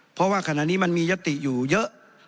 เพราะว่าขณะนี้มันมียติอยู่เยอะ